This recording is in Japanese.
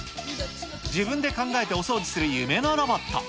自分で考えてお掃除する夢のロボット。